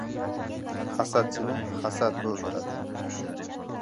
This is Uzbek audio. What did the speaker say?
• Hasadchini hasad o‘ldiradi.